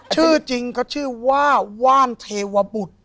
ชื่อจริงก็ชื่อว่าว่านเทวบุตร